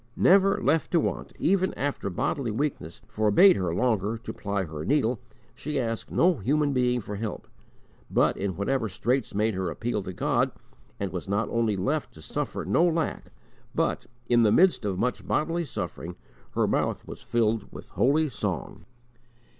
Never left to want, even after bodily weakness forbade her longer to ply her needle, she asked no human being for help, but in whatever straits made her appeal to God, and was not only left to suffer no lack, but, in the midst of much bodily suffering, her mouth was filled with holy song.